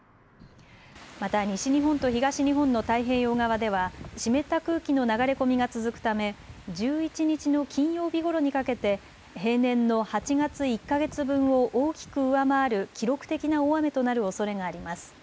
また西日本と東日本の太平洋側では湿った空気の流れ込みが続くため、１１日の金曜日ごろにかけて平年の８月１か月分を大きく上回る記録的な大雨となるおそれがあります。